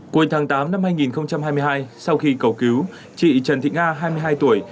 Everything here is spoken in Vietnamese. cuối tháng tám năm hai nghìn hai mươi hai sau khi cầu cứu chị trần thị nga hai mươi hai tuổi